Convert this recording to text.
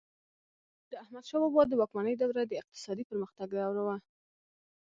د احمدشاه بابا د واکمنۍ دوره د اقتصادي پرمختګ دوره وه.